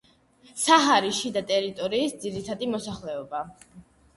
საჰარის შიდა ტერიტორიის ძირითადი მოსახლეობა.